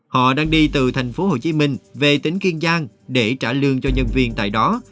họ đang đi từ tp hcm về tỉnh kiên giang để trả lương cho nhân viên tại đó